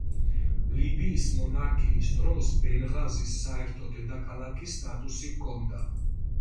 ლიბიის მონარქიის დროს ბენღაზის საერთო დედაქალაქის სტატუსი ჰქონდა.